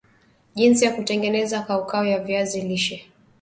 jinsi ya kutengeneza kaukau ya viazi lishe